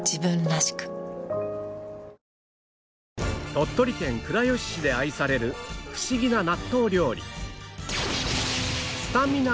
鳥取県倉吉市で愛されるフシギな納豆料理